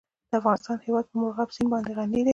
د افغانستان هیواد په مورغاب سیند باندې غني دی.